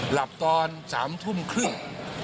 หลับตอน๓ทุ่มครึ่ง